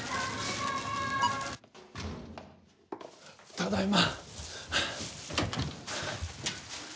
ただいま。